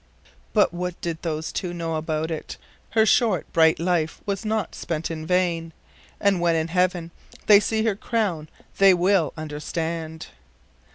But what did those two know about it? Her short bright life was not spent in vain, and when in Heaven they see her crown they will understand.